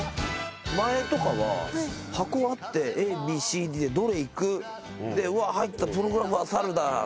前とかは箱あって「ＡＢＣＤでどれいく？」で「うわ入ってた『プロゴルファー猿』だ」